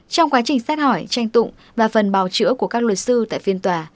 trong quá trình xét hỏi tranh tụng và phần bào chữa của các luật sư tại phiên tòa